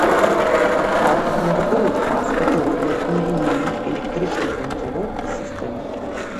Аўтар навуковых прац па тэорыі нелінейных электрычных ланцугоў і сістэм.